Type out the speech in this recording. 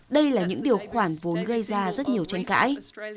đây là những điều khoản vốn gây ra rất nhiều tranh cãi